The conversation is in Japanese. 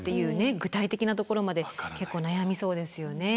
具体的なところまで結構悩みそうですよね。